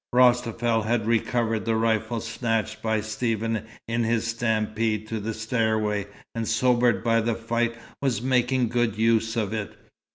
Rostafel had recovered the rifle snatched by Stephen in his stampede to the stairway, and, sobered by the fight, was making good use of it.